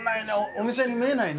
お店に見えないね。